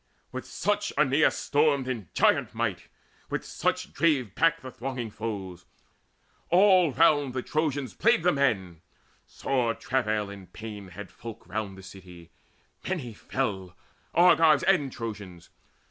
With such Aeneas stormed in giant might, With such drave back the thronging foes. All round The Trojans played the men. Sore travail and pain Had all folk round the city: many fell, Argives and Trojans.